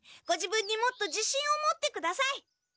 ご自分にもっとじしんを持ってください。